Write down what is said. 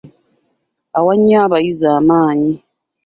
Awa nnyo abayizi amaanyi.